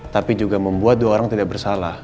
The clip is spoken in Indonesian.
tapi juga membuat dua orang tidak bersalah